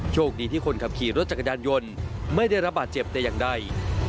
โชคดีที่คนขับขี่รถจักรยานยนต์ไม่ได้รับบาดเจ็บแต่อย่างใด